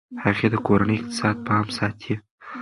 هغې د کورني اقتصاد پام ساتي.